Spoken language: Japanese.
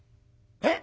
「えっ？